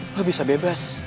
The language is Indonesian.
lo bisa bebas